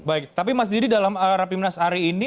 baik tapi mas didi dalam rapimnas hari ini